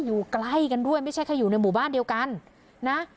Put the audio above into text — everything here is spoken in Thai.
อยู่ใกล้กันด้วยไม่ใช่แค่อยู่ในหมู่บ้านเดียวกันนะ